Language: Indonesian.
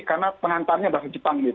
karena pengantarnya bahasa jepang